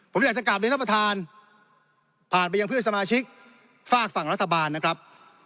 ผมอยากจะกลับเรียนท่านประธานผ่านไปยังเพื่อนสมาชิกฝากฝั่งรัฐบาลนะครับ